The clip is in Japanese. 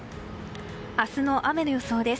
明日の雨の予想です。